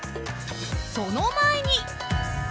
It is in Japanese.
その前に］